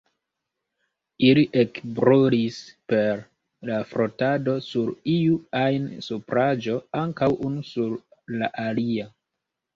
Ili ekbrulis per la frotado sur iu ajn supraĵo, ankaŭ unu sur la alia.